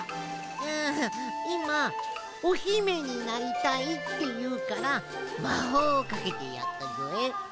ああいま「オヒメになりたい」っていうからまほうをかけてやったぞえ。